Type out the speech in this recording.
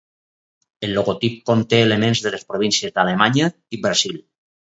El logotip conté elements de les províncies d"Alemanya i Brasil.